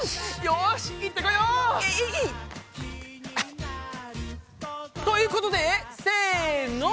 よし行ってこよう！ということでせの！